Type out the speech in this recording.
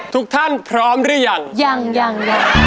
ทุกท่านพร้อมหรือยังยัง